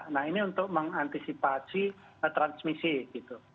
nah ini untuk mengantisipasi transmisi gitu